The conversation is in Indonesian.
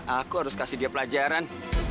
aku harus kasih dia pelajaran